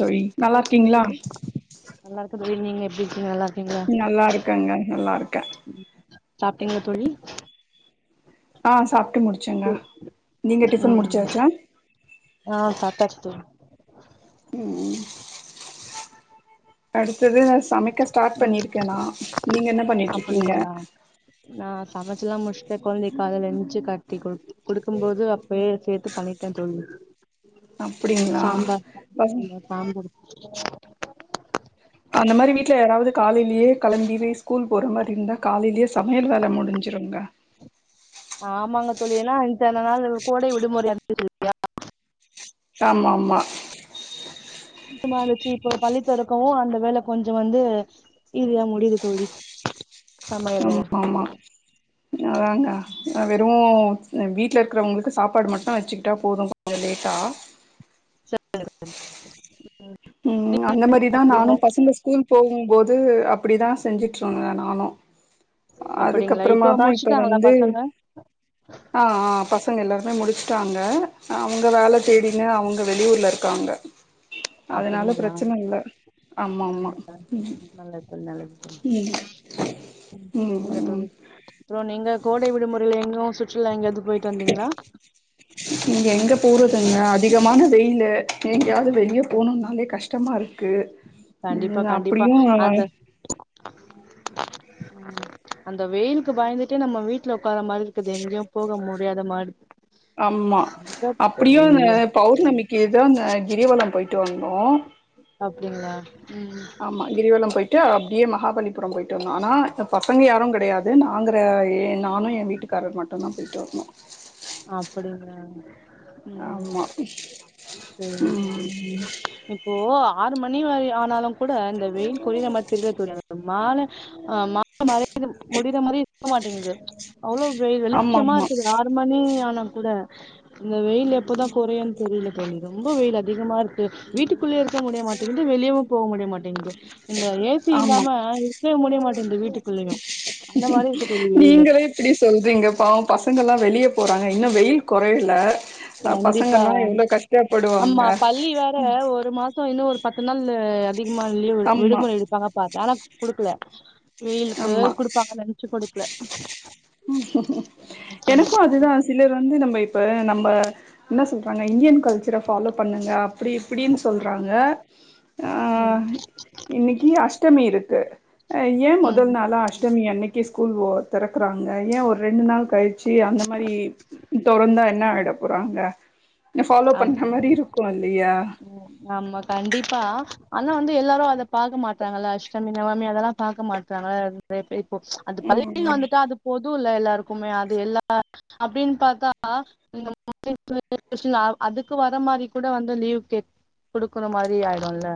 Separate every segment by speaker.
Speaker 1: தோழி
Speaker 2: எப்டி
Speaker 1: நல்லா
Speaker 2: இருக்கீங்க
Speaker 1: இருக்கீங்களா
Speaker 2: தோழி நல்லா இருக்கே தோழி நீங்க எப்டி இருக்கீங்க நல்லா இருக்
Speaker 1: நல்லா இருக்கங்க நல்லா இருக்க
Speaker 2: சாப்ட்டீங்களா தோழி
Speaker 1: ஆ சாப்ட்டு முடிச்சேங்க நீங்க டிஃபன்
Speaker 2: ம்
Speaker 1: முடிச்சாச்சா
Speaker 2: ஆ சாப்டாச்சு தோழி
Speaker 1: ம் அடுத்தது சமைக்க ஸ்டார்ட்
Speaker 2: ம்
Speaker 1: பண்ணிருக்கே நா நீங்க என்ன பண்ணிட் இருக்கீங்க
Speaker 2: அப்டிங்களா நா சமைச்ச எல்லா முடுஷ்ட கொழந்தைக் அதுல எந்துச்சு கட்டி கொடு குடுக்கும்போது அப்பயே சேத்து பண்ணிட்டே தோழி
Speaker 1: அப்டிங்களா
Speaker 2: சாம்பார்
Speaker 1: பசங்
Speaker 2: அந்த சாம்பார்
Speaker 1: அந்த மாரி வீட்ல யாராவது காலைலயே கெளம்பி போய் ஸ்கூல் போற மாரி இருந்தா காலைலயே சமையல் வேல முடிஞ்சிருங்க
Speaker 2: ஆமாங்க தோழி ஏன்னா இத்தன நாள் கோடை விடுமுறை இருந்தது
Speaker 1: ச ஆமா ஆமா
Speaker 2: சுத்தமா அந்த சி போ பள்ளித்தெறக்கவு அந்த வேல கொஞ்ச வந்து இதுயா முடிது தோழி சமையல்
Speaker 1: ஆமா
Speaker 2: வேல
Speaker 1: ஆமா அதாங்க வெறு வீட்ல இருக்கிறவங்களுக்கு சாப்பாடு மட்டு வச்சுக்கிட்டா போது கொஞ்ச லேட்டா
Speaker 2: [unintelligible]
Speaker 1: ம் அந்த மாரிதா நானு பசங்க ஸ்கூல் போகும்போது அப்படிதா செஞ்சுட்ருந்த நானு
Speaker 2: அப்டிங்களா இப்போ
Speaker 1: அதுக்கப்பறமாதா இப்ப
Speaker 2: முடிச்சுட்டாங்களா
Speaker 1: வந்து
Speaker 2: பசங்க
Speaker 1: ஆ ஆ பசங்க எல்லாருமே முடிச்ட்டாங்க அவங்க வேல தேடின்னு அவங்க வெளியூர்ல இருக்காங்க அதனால பிரச்சனை இல்ல
Speaker 2: ஆமா டா நல்லதுதா நல்லதுதா
Speaker 1: ம்
Speaker 2: ம் சரிங்க தோழி அப்புற நீங்க கோடை விடுமுறையில எங்கு சுற்றுலா எங்கயாது போயிட்டு வந்தீங்களா
Speaker 1: நீங்க எங்க போறதுங்க அதிகமான வெயிலு எங்கயாவது வெளிய போணுனாலே கஷ்டமா இரு க்கு ம் அப்டியு
Speaker 2: ஆ அந்த வெயிலுக்கு பயந்துட்டே நம்ம வீட்ல உக்கார மாரி இருக்குது எங்யும் போக முடியாத மாரி
Speaker 1: ஆமா
Speaker 2: எங்க
Speaker 1: அப்டியுன் பௌர்ணமிக்கு இதான கிரிவலம் போயிட்டு வந்தோ
Speaker 2: அப்டிங்ளா ம்
Speaker 1: ஆமா கிரிவலம் போயிட்டு அப்டியே மகாபலிபுரம் போயிட்டு வந்தோ ஆனா பசங்க யாருங் கெடையாது நாங்க நானு என் வீட்டுக்காரர் மட்டுந்தான் போயிட்டு வந்தோ
Speaker 2: அப்டிங்ளா
Speaker 1: ஆமா
Speaker 2: சேரிங் சேரிங்
Speaker 1: ம்
Speaker 2: சேரிங் ம் ஓ ஆறு மணி வரை ஆனாலுங் கூட இந்த வெயில் கொறயர மாரி தெரிதா தோழி நம்மால ஆ மாடு மற [inaudible] முடியற மாரி இருக்க மாட்டேங்குது அவ்ளோ வெ
Speaker 1: ஆமா
Speaker 2: வெளிச்சமா
Speaker 1: ஆமா
Speaker 2: இருக்குது ஆறு மணி ஆனா கூட இந்த வெயில் எப்போதா குறையுன் தெரில தோழி ரொம்ப வெயில் அதிகமா இருக்கு வீட்டுக்குள்ளயே இருக்க முடிய மாட்டேங்குது வெளியவும் போ முடிய மாட்டேங்குது இந்த ஏ சி
Speaker 1: ஆமா
Speaker 2: இல்லாம இருக்கவே முடிய மாட்டேங்குது வீட்டுக்குள்ளேயு அந்த மாரி இருக்கு தோழி வெயிலு
Speaker 1: நீங்களே இப்டி சொல்றீங்க பாவோ பசங்கல்லா வெளிய போறாங்க இன்னு வெயில் கொறையல அ
Speaker 2: கண்டிப்பா
Speaker 1: பசங்கல்லா எவ்ளோ கஷ்டப்படுவாங்க
Speaker 2: இந்த மாசோ இன்னு ஒரு பத்து நாள் அதிகமா லீவ்
Speaker 1: ஆமா
Speaker 2: விடுமுறை எடுப்பாங்க பாத்த ஆனா குடுக்கல வெயிலுக்கு
Speaker 1: ஆமா
Speaker 2: குடுப்பாங்க லஞ்ச்சு குடுக்கல
Speaker 1: எனக்கு அதுதா சிலர் வந்து நம்ம இப்ப நம்ம என்ன சொல்றாங்க இந்தியன் கல்ச்சர ஃபாலோ பண்ணுங்க அப்டி இப்டின்னு சொல்றாங்க
Speaker 2: ம்
Speaker 1: இன்னிக்கி அஷ்டமி இருக்கு ஏன்
Speaker 2: ம்
Speaker 1: முதல் நாளா அஷ்டமி அன்னிக்கி ஸ்கூல் ஒ தெற க்கறாங்கா ஏன் ஒரு ரெண்டு நாள் கழிச்சு அந்த மாரி தொறந்தா என்ன ஆயிட போறாங்க ஃபலோ
Speaker 2: ஆமா
Speaker 1: பண்ற மாரி இருக்கோ இல்லையா
Speaker 2: ம் ஆமா கண்டிப்பா ஆனா வந்து எல்லாரு அத பாக்க மாட்றாங்கல்ல அஷ்டமி நவமி அதெல்லா பாக்க மாட்றாங்கல்ல நெறைய பேருக்கு இப்போ அத பள்ளிக்குன்னு
Speaker 1: ம்
Speaker 2: வந்துட்டா அது போதுல்ல எல்லாருக்குமே அது எல்லா அப்டின்னு பாத்தா நீங்க [inaudible] அதுக்கு வர மாரி கூட வந்தா லீவ் கே குடுக்கற மாரி ஆயிடுல்ல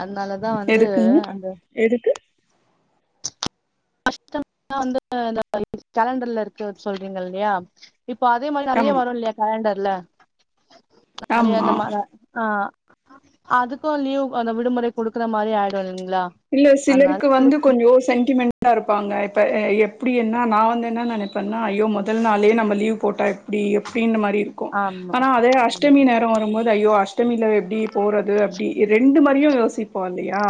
Speaker 2: அதனால
Speaker 1: எதுக்குங்க எதுக்கு
Speaker 2: அஷ்டமியெல்லா வந்து இந்த கேலண்டர்ல இருக்கு சொல்றீங்க இல்லையா இப்போ அதே மாரி நெறைய
Speaker 1: ஆம்
Speaker 2: வரு இல்லையா கேலண்டர்ல நெறைய
Speaker 1: ஆமா
Speaker 2: இந்த மார ஆ அதுக்கு லீவ் அந்த விடுமுறை கொடுக்கற மாரி ஆயிடு இல்லைங்ளா
Speaker 1: இல்ல சிலருக்கு வந்து கொஞ்சோ சென்டிமெண்ட்டா இருப்பாங்க இப்ப எப்டி என்ன நா வந்து என்ன நெனைப்பன்னா அய்யோ மொதல் நாளே நம்ம லீவ் போட்டா அப்டி எப்டின்ன மாரி இரு க்கு
Speaker 2: ஆமா
Speaker 1: ஆனா அதே
Speaker 2: ஆமா
Speaker 1: அஷ்டமி நேரோ வரும்போது அய்யோ அஷ்டமில எப்டி போறது அப்டி ரெண்டு மாரியு யோசிப்போ இல்லையா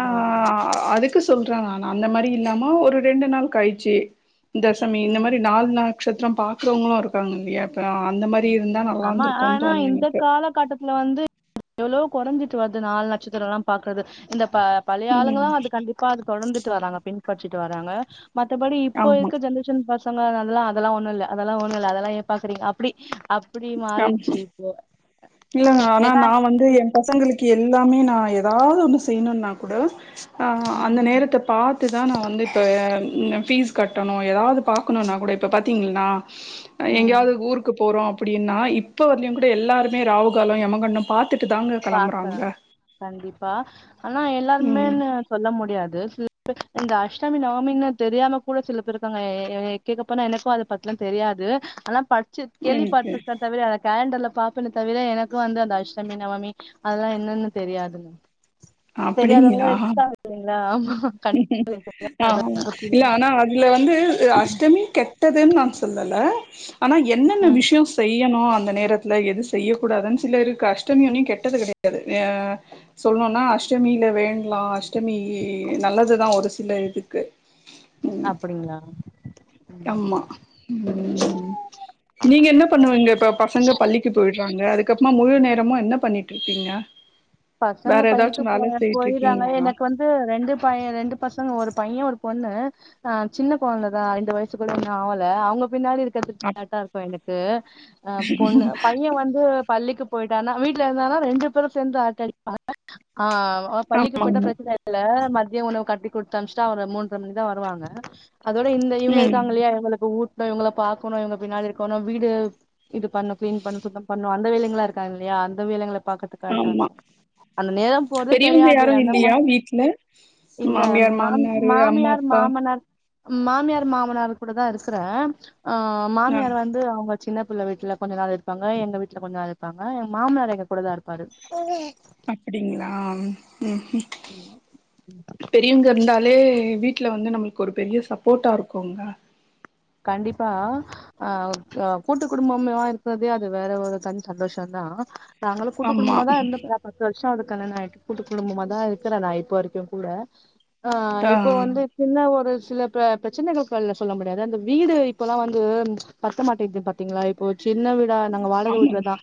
Speaker 1: ஆ அதுக்கு சொல்றாங்க ஆனா அந்த மாரி இல்லாம ஒரு ரெண்டு நாள் கழிச்சி இந்தா சமி இந்த
Speaker 2: ம்
Speaker 1: மாரி நாள்னா நக்ஷசத்திரம் பாக்கறவங்களு இருக்காங்க இல்லையா இப்ப அந்த மாரி
Speaker 2: ம்
Speaker 1: இருந்தா நல்லா
Speaker 2: ஆமா
Speaker 1: இருந்திருக்குன்னு
Speaker 2: ஆனா
Speaker 1: தோணு
Speaker 2: இந்த
Speaker 1: எனக்கு
Speaker 2: கால கட்ட த்துல வந்து எவ்ளோ கொறஞ்சிட்டு வருது நாள் நட்சத்திரோ எல்லா பாக்கறது இந்த ப பழைய
Speaker 1: ம்
Speaker 2: ஆளுங்கள்ளா அத கண்டிப்பா அது தொடர்ந்துட்டு வராங்க பின்பற்றிட்டு வராங்க மத்தபடி இப்போ
Speaker 1: ஆமா
Speaker 2: இருக்க ஜென்ரேஷன் பசங்க அதெல்லா அதெல்லா ஒண்ணுல்ல அதெல்லா ஒண்ணுல்ல அதெல்லா ஏ பாக்குறீங்க அப்டி அப்புடி
Speaker 1: ஆமா
Speaker 2: மாறிட்சு இப்போ
Speaker 1: இல்லங்க ஆனா
Speaker 2: ஏன்னா
Speaker 1: நா வந்து என் பசங்களுக்கு எல்லாமே நா ஏதாது ஒண்ணு செய்யணுனா கூட அ
Speaker 2: ம்
Speaker 1: அந்த நேரத்த பாத் துட்டு தா நா வந்து இப்போ ஃபீஸ் கட்டணு ஏதாது பாக்கணுனா கூட இப்போ பாத்தீங்கன்னா
Speaker 2: ம்
Speaker 1: எங்கயாவது ஊருக்கு போறோ அப்டின்னா இப்ப வரலயு கூட எல்லாருமே ராவுகாலோ எமகண்டம் பாத்துட்டு தாங்க
Speaker 2: பாக்குறாங்க
Speaker 1: கெளம்புறாங்க
Speaker 2: கண்டிப்பா ஆனா
Speaker 1: ம்
Speaker 2: எல்லாருமேனு சொல்ல முடியாது சில பேர் இந்த அஷ்டமி நவமின்னு தெரியாம கூட சில பேர் இருக்காங்க எ எ கேக்கப்போனா எனக்கு அத பத்லா தெரியாது ஆனா ப சு கேள்வி
Speaker 1: ம் ஓகே
Speaker 2: பட்ருக்றேன் தவிர அத கேலண்டர்ல பாப்பேனே தவிர எனக்கு வந்து அந்த அஷ்டமி நவமி அதுலா என்னன்னு தெரியாதுங்க தெரியாதவங்களா
Speaker 1: அப்டிங்களா
Speaker 2: இருக்கீங்களா ஆமா
Speaker 1: அ இல்ல ஆனா அதுல வந்து அ ஷ்டமி கெட்டதுன் நான் சொல்லல ஆனா என்னென்ன
Speaker 2: ம்
Speaker 1: விஷயோ செய்யணு அந்த நேரத்துல எது செய்யக்கூடாதுன் சில இருக்கு அஷ்டமி ஒன்னு கெட்டது கெடையாது ஆ சொல்ணுனா அஷ் அஷ்டமில வேண்ட்லா அஷ்டமி நல்லதுதா ஒரு சில இதுக்கு ம்
Speaker 2: அப்டிங்களா
Speaker 1: ஆமா ம் நீங்க என்ன பண்ணுவீங்க இப்போ பசங்க பள்ளிக்கு போயிட்றாங்க அதுக்கப்மா முழு நேரமு என்ன பண்ணிட்ரூப்பீங்க
Speaker 2: பசங்க பள்ளிக்கு போ
Speaker 1: செய்ட்டு
Speaker 2: போயிர்றாங்க
Speaker 1: இருக்கீங்களா
Speaker 2: எனக்கு வந் து ரெண்டு பைய ரெண்டு பசங்க ஒரு பைய ஒரு பொண்ணு ஆ சின்ன கொழந்த தா ரெண்டு வயசு கூட இன்னு ஆவல அவுங்க பின்னாடி சு த்றதுக்கு கரெக்ட்டா இருக்கு எனக்கு அ பொண்ணு பைய வந்து பள்ளிக்கு போயிட்டானா வீட்ல இருந்தானா ரெண்டு பேரு சேந்து அரட்ட அடிப்பாங்க ஆ ஒ பள்ளிக்கு
Speaker 1: ஆமா
Speaker 2: போய்ட்டா
Speaker 1: ஆமா
Speaker 2: ப்ரச்சன இல்ல மதிய உணவு கட்டி குடுத்து அனுப்ச்ட்டா அவரு மூன்ற மணிக்தா வருவாங்க அதோட இந்த இவுங்க
Speaker 1: ம்
Speaker 2: இருக்காங்க இல்லயா இவுங்களுக்கு ஊட்ணு இவங்கள பாக்கணு இவுங்க பின்னாடி இருக்கணு வீடு இது பண்ணு கிளீன் பண்ணு சுத்தம் பண்ணு அந்த வேலைங்ளா இருக்காங் இல்லயா அந்த வேலைகள பாக்கது கரக்ட்டா
Speaker 1: ஆமா
Speaker 2: இருக்கு அந்த நேரம் போறதே
Speaker 1: பெரியவங்க
Speaker 2: தெரியாது
Speaker 1: யாரும்
Speaker 2: அந்தம்மா
Speaker 1: இல்லையா வீட்ல
Speaker 2: இல்ல
Speaker 1: மாமியார்
Speaker 2: மாம்
Speaker 1: மாமனாரு அம்மா
Speaker 2: மாமியார்
Speaker 1: அப்பா
Speaker 2: மாமனார் மாமியார் மாமனார் கூட தா இருக்றே அ
Speaker 1: ஆ
Speaker 2: மாமியார் வந்து அவுங்க சின்ன பிள்ள வீட்ல கொஞ்ச நாள் இருப்பாங்க எங்க வீட்ல கொஞ்ச நாள் இருப்பாங்க எங் மாமனார் எங்க கூடதா இருப்பாரு
Speaker 1: அப்டிங்களா ம் ம்
Speaker 2: ம்மா
Speaker 1: பெரியவங்க இருந்தாலே வீட்ல வந்து நம்மளுக்கு ஒரு பெரிய சப்போட்டா இருக்குங்க
Speaker 2: கண்டிப்பா ஆ ஒரு ஆ கூட்டு குடும்பம்பா இருக்றது அது வேற ஒரு தனி சந்தோஷந்தா நாங்களு கூட்டு
Speaker 1: ஆமா
Speaker 2: குடும்பமா தா இருந்தப் அப் பத்து வர்ஷோ அவுருக் கல்யாண ஆயிட் கூட்டு குடும்பமா தா இருக்கறே நா இப்போ வரைக்கு கூட ஆ இப்போ வந்து சின்ன ஒரு சில ப பிரச்சனைகள் வெள்ல சொல்ல முடியாது அந்த வீடு இப்போல்லா வந்து பத்த மாட்டேங்குது பாத்தீங்ளா இப்போ சின்ன வீடு தா நாங்க வாடக
Speaker 1: ஆமா
Speaker 2: வீட்லதா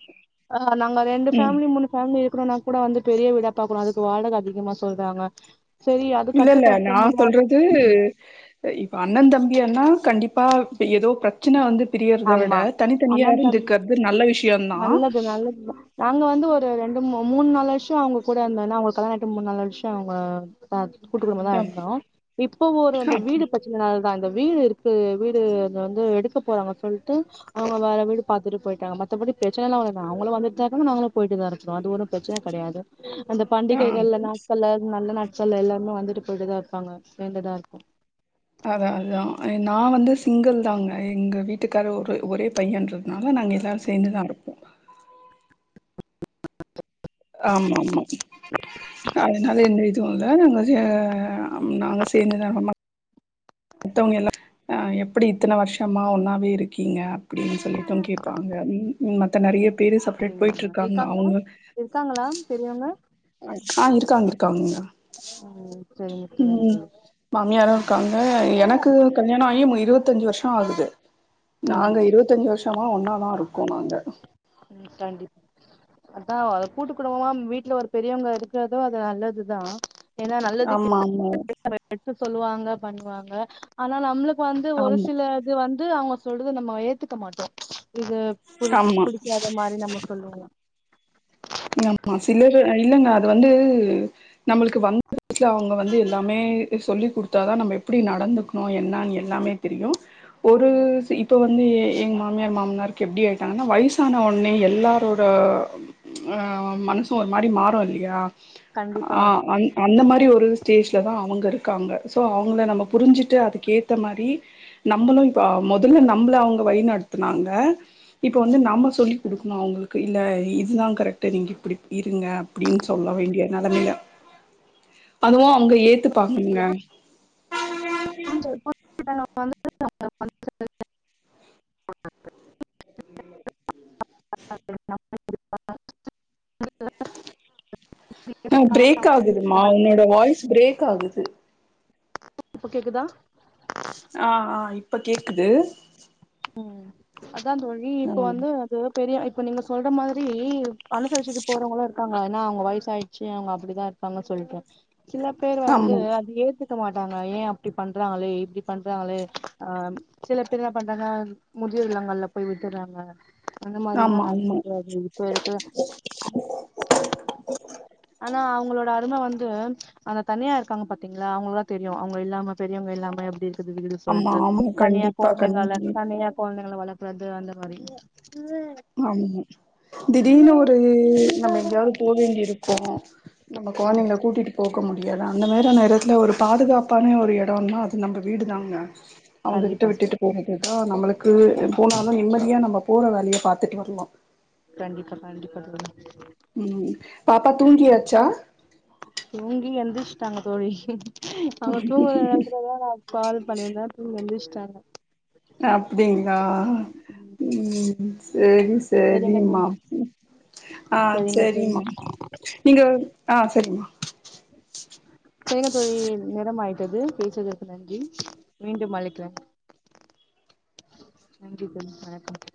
Speaker 2: ஆ நாங்க ரெண்டு
Speaker 1: ம்
Speaker 2: ஃபேமிலி மூணு ஃபேமிலி இருக்கணுனா கூட வந்து பெரிய வீடா பாக்கணு அதுக்கு வாடக அதிகமா சொல்றாங்க செரி அது
Speaker 1: இல்ல
Speaker 2: கட்டுப்படுத்த முடியாது
Speaker 1: இ இப்ப அண்ண தம்பியான்னா கண்டிப்பா இப்போ ஏதோ பிர ச்சின வந்து பிரியறத விட
Speaker 2: ஆமா
Speaker 1: தனித்தனியா
Speaker 2: அண்ணன் தம்பி
Speaker 1: இருந்துக்றது நல்ல விஷயோந்தா
Speaker 2: [unintelligible] நாங்க வந்து ஒரு ரெண்டு மு மூண் நாலு வருஷோ அவங்க கூட இருந்தன்னா அவங்கள் கலாணோ ஆயிட்டு மூண் நாலு வருஷோ அவங்க அ கூட்டு குடும்ப தா இருந்தோ இப்போ ஒரு அந்த வீடு ப சின்னனால் தா அந்த வீடு இருக்கு வீடு அது வந்து எடுக்க போறாங்க சொல்ட்டு அவங்க வேற வீடு பாத்துட்டு போயிட்டாங்க மத்தபடி ப்ரெச்சன எல்லா அவ தா அவங்கள வந்துட்டு தா இருக்காங்க நாங்களு போயிட்டு தா இருக்றோ அது ஒரு ப்ரெச்சன கெடையாது அந்த
Speaker 1: ஆ
Speaker 2: பண்டிகைகள்ல நாட்கள்ல நல்ல நா சல்ல எல்லாருமே வந்துட்டு போயிட்டுதா இருப்பாங்க சேந்துதா இருக்கு
Speaker 1: அதா அதுதா நா வந்து சிங்கிள் தாங்க எங்க வீட்டுக்கார ஒரு ஒரே பையன்றதுனால நாங்க எல்லாரு சேந்துதா இருக்கோ ஆமா ஆமா அதுனால எந்த இதுவு இல்ல நாங்க செ ஆம் நாங்க சேந்துதா ரொம்ப மத்தவங்க எல்லா அ எப்பிடி இத்தன வருஷமா ஒன்னாவே இரு க்கீங்க அப்டின்னு சொல்லிட்டும் கேப்பாங்க ம் ம த்த நெறைய பேரு செப்ரேட்
Speaker 2: அப்டிங்கறாங்க
Speaker 1: போயிட்ருக்காங்க
Speaker 2: இருக்காங்களா
Speaker 1: அவங்க
Speaker 2: இருக்காங்களா பெரியவங்க
Speaker 1: ஆ இருக்காங்க இருக்காங்கங்க
Speaker 2: ம் செரிங்க செரிங் தோழி ம்
Speaker 1: ஆ எனக்கு கல்யாணோ ஆகிம இருவத்தஞ்சு வருஷோ ஆகுது
Speaker 2: ம்
Speaker 1: நாங்க இருவத்தஞ்சு வருஷ மா ஒன்னா தா இருக்கோ நாங்க
Speaker 2: ம் கண்டிப் அதா அத கூட்டு குடும்பமா வீட்ல ஒரு பெரியவங்க இருக்கறதோ அது நல்லதுதா ஏனா நல்லது
Speaker 1: ஆமா
Speaker 2: கெட்டது
Speaker 1: ஆமா
Speaker 2: எடுத்து சொல்லுவாங்க பண்ணுவாங்க ஆனா நம்ளு வந்து ஒரு
Speaker 1: ஆமா
Speaker 2: சில இது வந்து அவங்க சொல்றது நம்ம ஏத்துக்க மாட்டோ இது புரிகி
Speaker 1: ஆமா
Speaker 2: வேற மாரி நம்ம சொல்லுவோ
Speaker 1: ஆமா சிலர் இல்லங்க அது வந்து நம்மளுக்கு வன் [unintelligible] அவங்க வந்து லாமே சொல்லி் குடுத்தா தா நம்ம எப்டி நடந்துக்கணு என்ன எல்லாமே தெரியு ஒரு சி இப்ப வ ந்தே எங்க மாமியார் மாமனாருக்கு எப்டி ஆயிட்டாங்கன்னா வயசான ஒடனே எல்லாரோட ஆ மனசு ஒரு மாரி மாறு இல்லையா
Speaker 2: கண்டிப்பா
Speaker 1: ஆ அந்த மாரி ஒரு ஸ்டேஜ்லதா அவங்க இருக்காங்க சோ அவங்கள நம்ம புரிஞ்சிட்டு அதுக்கு ஏத்த மாரி நம்மளு இப்ப மொதல்ல நம்மள அவங்க வழிநடத்துனாங்க இப்ப வந்து
Speaker 2: ம்
Speaker 1: நம்ம சொல்லி் குடுக்கணு அவங்களுக்கு இல்ல இதுதா கரெக்டா நீங்க இப்டி இருங்க அப்டின்னு சொல்ல வேண்டிய நெலைமில அதுவு அவங்க ஏத்து பாகங்கங்க
Speaker 2: [inaudible] [inaudible]
Speaker 1: ஆ பிரேக் ஆகுதுமா உன்னோட வாய்ஸ் பிரேக் ஆகுது
Speaker 2: இப்ப கேக்குதா
Speaker 1: ஆ ஆ இப்ப கேக்குது
Speaker 2: ம் அதா தோழி
Speaker 1: ஆ
Speaker 2: இப்ப வந்து ந்து பெரிய இப்ப நீங்க சொல்ற மாதிரி அனுசரிச்சுட்டு போறவங்களு இருக்காங்க ஏன்னா அவங்க வயச ஆயிடுச்சு அவங்க அப்டிதா ங்க சொல்லுடு சில பேர் வந்து
Speaker 1: ஆமா
Speaker 2: அது ஏத்து க மாட்டாங்க ஏ அப்டி பண்றாங்களே இப்டி பண்றாங்களே ஆ சில பேர்லா பண் இல்லனா முதியோர் இல்லங்கள்ல போய் விட்டுறாங்க அந்த மாரிலா
Speaker 1: ஆமா ஆமா
Speaker 2: நடந்துட்டு வருது சரிக்க ஆனா அவங்களோட அரும வந்து அந்த தனியா இருக்காங்க பாத்தீங்களா அவங்களுக்குதா தெரியு அவங்க இல்லாம பெரியவங்க இல்லாம எப்டி அது வீடு
Speaker 1: ஆமா
Speaker 2: சொல்ட்டு
Speaker 1: ஆமா
Speaker 2: தனியா
Speaker 1: கண்டிப்பா
Speaker 2: கோந்தைங்கால
Speaker 1: கண்டி
Speaker 2: தனியா கோழ்ந்தைங்கள வளக்குறது அந்த மாரி
Speaker 1: ஆமா திடீர்னு ஒரு நம்ம எங்கயாவ்து போவேண்டி இருக்கோ நம்ப கொழ்ந்திங்ள கூட்டிட் போக முடியாது அந்தமாரி ஒரு எடத்துல ஒரு பாதுகாப்பான ஒரு எடம்னா அது நம்ப வீடு தாங்க அவங்ககிட்ட
Speaker 2: கண்டிப்பா
Speaker 1: விட்டுட்டு போறக்குதா நம்ளுக்கு போனாலு நிம்மதியா நம்ம போற வேலிய பாத்துட் ருப்போ
Speaker 2: கண்டிப்ப பண்டிப்பட்டு
Speaker 1: ம் பாப்பா தூங்கியாச்சா
Speaker 2: தூங்கி எந்திச்டாங்க தோழி அவங்க தூங்கத நேரத்துலதா நா கால் பண்ணிர்ந்த தூங் எந்திச்டாங்க
Speaker 1: அப்டிங்ளா ம் சேரி சே
Speaker 2: சரிங்க
Speaker 1: செரிம்மா
Speaker 2: தோழி
Speaker 1: ஆ
Speaker 2: சரிங்க தோழி
Speaker 1: செரிம்மா நீங்க ஆ சரிமா
Speaker 2: செரிங்க தோழி நேரமாயிட்டது பேசதுக்கு நன்றி மீண்டும் அழைக்கிறே நன்றிங்க சார் வணக்க